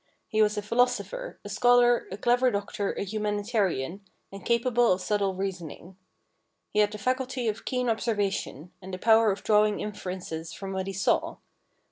He was a philosopher, a scholar, a clever doctor, a humani tarian, and capable of subtle reasoning. He had the faculty of keen observation, and the power of drawing inferences from what he saw.